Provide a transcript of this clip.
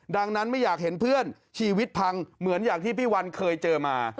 ดังนั้นไม่อยากเห็นเพื่อนชีวิตพังเหมือนอย่างที่พี่วันเคยเจอมา